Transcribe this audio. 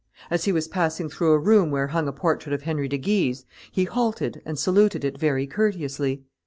As he was passing through a room where hung a portrait of Henry de Guise, he halted and saluted it very courteously.